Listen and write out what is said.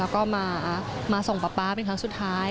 แล้วก็มาส่งป๊าป๊าเป็นครั้งสุดท้าย